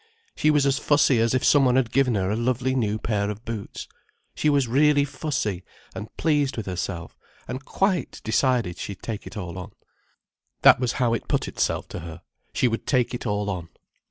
She was as fussy as if some one had given her a lovely new pair of boots. She was really fussy and pleased with herself: and quite decided she'd take it all on. That was how it put itself to her: she would take it all on.